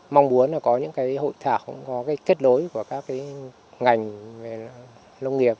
mong muốn là có những cái hội thảo có cái kết nối của các cái ngành về nông nghiệp